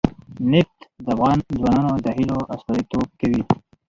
نفت د افغان ځوانانو د هیلو استازیتوب کوي.